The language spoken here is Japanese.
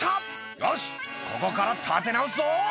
「よしここから立て直すぞ」